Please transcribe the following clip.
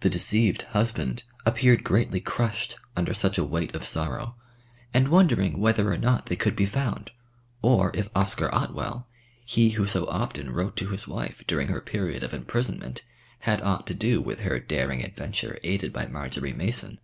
The deceived husband appeared greatly crushed under such a weight of sorrow, and wondering whether or not they could be found, or if Oscar Otwell, he who so often wrote to his wife during her period of imprisonment, had ought to do with her daring adventure, aided by Marjory Mason!